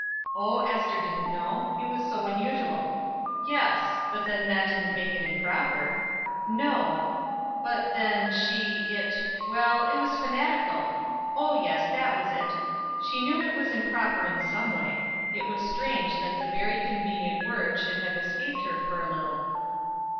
Oh, Ester didn't know; it was so unusual. Yes; but then that didn't make it improper. No; but then, she it Well, it was fanatical. Oh yes, that was it. She knew it was improper in some way. It was strange that that very convenient word should have escaped her for a little.